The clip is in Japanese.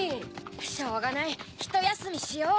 しょうがないひとやすみしよう。